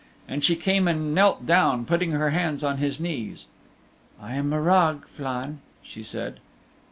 And she came and 'knelt down, putting her hands on his knees. "I am Morag, Flann," she said.